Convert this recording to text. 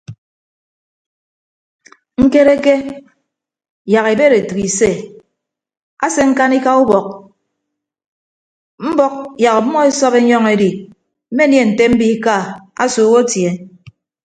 Ñkereke yak ibed etәk ise ase ñkanika ubọk mbọk yak ọmmọ esọp enyọñ edi mmenie nte mbiika asuuk atie.